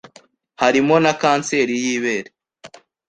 harimo na kanseri y’ibere